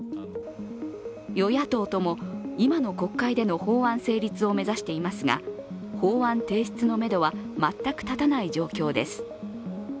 与野党とも今の国会での法案成立を目指していますが法案提出のめどは全く立たない状況です。